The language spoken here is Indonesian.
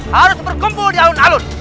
harus berkumpul di alun alun